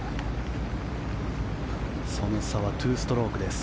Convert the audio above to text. その差は２ストロークです。